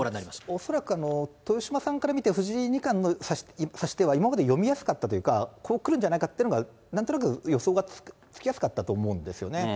恐らく豊島さんから見て、藤井二冠の指し手は、今まで読みやすかったというか、こうくるんじゃないかっていうのが、なんとなく予想がつきやすかったと思うんですよね。